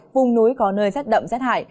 vùng núi có nơi rét đậm rét hại